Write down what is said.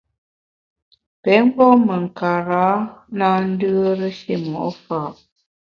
Pé mgbom me nkarâ na ndùere shimo’ fa’.